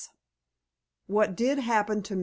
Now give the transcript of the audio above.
XII WHAT DID HAPPEN TO MR.